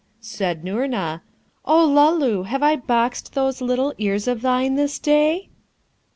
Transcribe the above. Said Noorna, 'O Luloo, have I boxed those little ears of thine this day?'